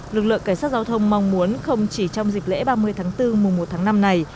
lực lượng cảnh sát giao thông mong muốn không chỉ trong dịp lễ ba mươi tháng bốn mùa một tháng năm này